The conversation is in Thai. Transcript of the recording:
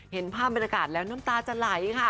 เห็นภาพบรรยากาศแล้วน้ำตาจะไหลค่ะ